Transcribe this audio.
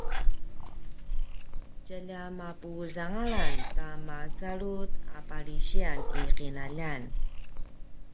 tjalja mapuzangalan ta masalut a palisiyan i qinaljan